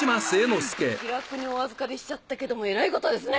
気楽にお預かりしちゃったけどもえらいことですね